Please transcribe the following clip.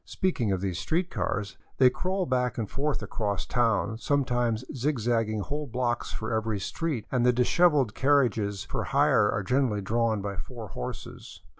Speaking of these street cars, they craw} back and forth across town, sometimes zig zagging whole blocks for every street; and the dishevelled carriages for hire are generally drawn by four horses.